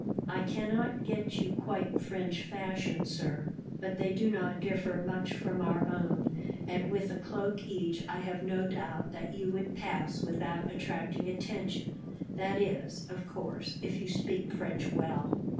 "I cannot get you quite French fashion, sir, but they do not differ much from our own; and with a cloak each, I have no doubt that you would pass without attracting attention that is, of course, if you speak French well."